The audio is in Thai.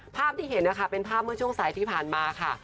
ภาพที่เห็นนะคะเป็นภาพเมื่อช่วงสายที่ผ่านมาค่ะ